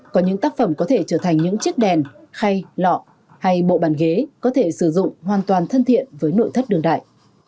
có những tác phẩm có thể trở thành những chiếc đèn hay lọ hay bộ bàn ghế có thể sử dụng hoàn toàn thân thiện với nội thất đường đại